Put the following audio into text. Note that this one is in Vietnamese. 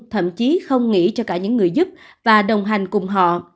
thậm chí không nghĩ cho cả những người giúp và đồng hành cùng họ